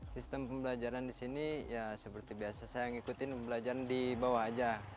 sistem pembelajaran di sini ya seperti biasa saya ngikutin belajar di bawah aja